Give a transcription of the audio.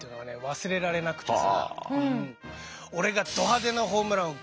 忘れられなくてさ。